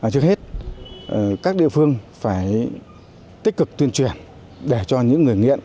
trước hết các địa phương phải tích cực tuyên truyền để cho những người nghiện